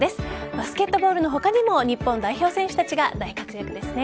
バスケットボールの他にも日本代表選手たちが大活躍ですね。